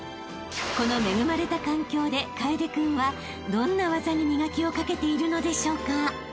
［この恵まれた環境で楓君はどんな技に磨きをかけているのでしょうか］